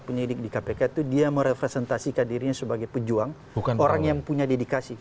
penyidik di kpk itu dia merepresentasikan dirinya sebagai pejuang orang yang punya dedikasi